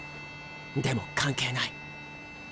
でも関係ない。